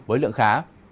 với lượng khá